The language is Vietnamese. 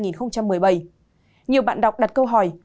nhiều bạn đọc đặt câu hỏi